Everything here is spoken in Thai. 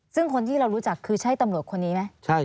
ซึ่งคนที่เรารู้จักคือใช่ตำรวจคนนี้ไหม